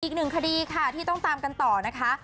อีกหนึ่งคดีค่ะที่ต้องตามกันต่อนะคะ